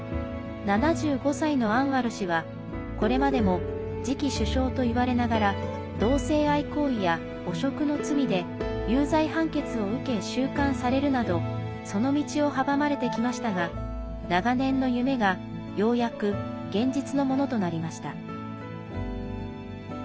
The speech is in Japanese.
７５歳のアンワル氏はこれまでも次期首相といわれながら同性愛行為や汚職の罪で有罪判決を受け、収監されるなどその道を阻まれてきましたが長年の夢がようやく現実のものとなりました。